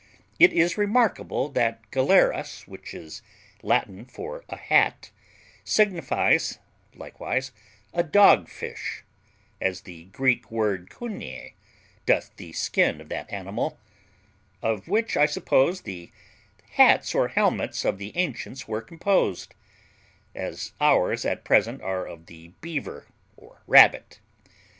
It is remarkable that galerus, which is Latin for a hat, signifies likewise a dog fish, as the Greek word kuneae doth the skin of that animal; of which I suppose the hats or helmets of the ancients were composed, as ours at present are of the beaver or rabbit.